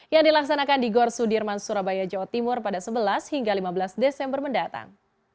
yang dilaksanakan di gor sudirman surabaya jawa timur pada sebelas hingga lima belas desember mendatang